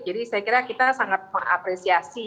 jadi saya kira kita sangat mengapresiasi